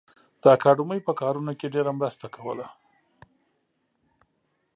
د اکاډمۍ په کارونو کې ډېره مرسته کوله